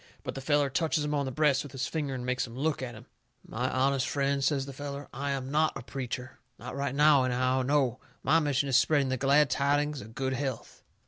But the feller touches him on the breast with his finger, and makes him look at him. "My honest friend," says the feller, "I am NOT a preacher. Not right now, anyhow. No! My mission is spreading the glad tidings of good health.